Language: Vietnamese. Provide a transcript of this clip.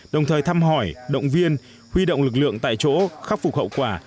đồng thời thăm hỏi động viên huy động lực lượng tại chỗ khắc phục hậu quả